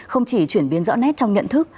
không chỉ chuyển biến rõ nét trong nhận thức